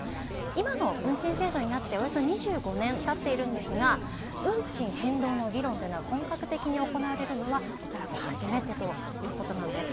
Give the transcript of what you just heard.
今の運賃制度になっておよそ２５年経っているんですが運賃変動の議論が本格的に行われるのは恐らく初めてということです。